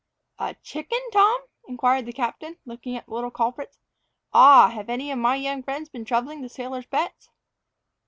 "A chicken, Tom?" inquired the captain, looking at the little culprits. "Ah, have any of my young friends been troubling the sailor's pets?"